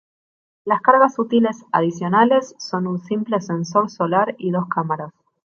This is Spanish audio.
Las cargas útiles adicionales son un simple sensor solar y dos cámaras.